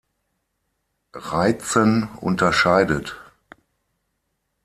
Reizen unterscheidet.